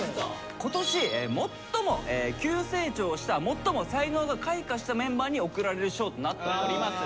今年最も急成長した最も才能が開花したメンバーに贈られる賞となっております。